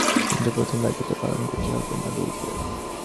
কিন্তু প্রথম দায়িত্বটা পালন করতে হবে নাগরিকদের।